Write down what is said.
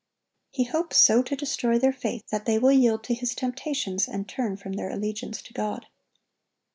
He hopes so to destroy their faith that they will yield to his temptations, and turn from their allegiance to God.